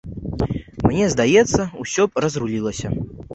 Мне здаецца, усё б разрулілася.